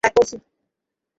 হ্যাঁ, তা করছি।